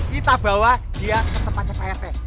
kita bawa dia ke tempatnya prt